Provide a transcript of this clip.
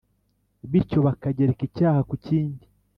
bityo bakagereka icyaha ku kindi.